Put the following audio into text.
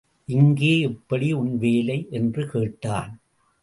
இங்கே எப்படி உன் வேலை? என்று கேட்டான்.